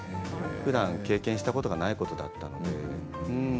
ふだん経験したことがないことだったので。